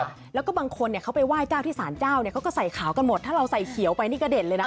ก็เชิญว่าบางคนเขาไปว่ายเจ้าที่ศาลเจ้าเนี่ยเขาก็ใส่ขาวกันหมดถ้าเราใส่เขียวไปนี่ก็เด่นเลยนะ